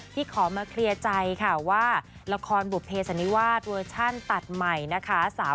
ขอมาเคลียร์ใจค่ะว่าละครบุภเสันนิวาสเวอร์ชั่นตัดใหม่นะคะ